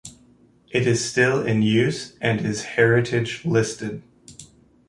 It is still in use and is heritage-listed.